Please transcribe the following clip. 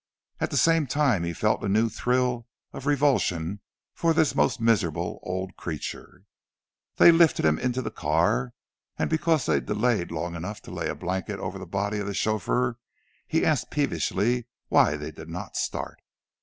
At the same time he felt a new thrill of revulsion for this most miserable old creature. They lifted him into the car; and because they delayed long enough to lay a blanket over the body of the chauffeur, he asked peevishly why they did not start.